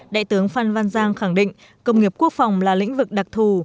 đại tướng phan văn giang khẳng định công nghiệp quốc phòng là lĩnh vực đặc thù